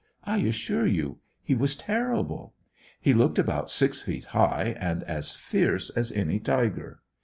I assure you he was terrible. He looked about six feet high, and as fierce as any tiger.